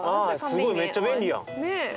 すごいめっちゃ便利やん。